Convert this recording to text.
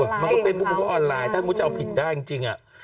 เออว่ะมันก็เป็นบุคคลออนไลน์ถ้าไม่รู้จะเอาผิดได้จริงจริงอ่ะ